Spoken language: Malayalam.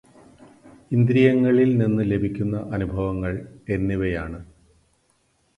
ഇന്ദ്രിയങ്ങളിൽ നിന്ന് ലഭിക്കുന്ന അനുഭവങ്ങൾ എന്നിവയാണ്.